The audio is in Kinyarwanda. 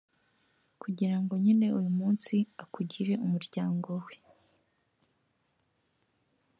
kugira ngo nyine uyu munsi akugire umuryango we,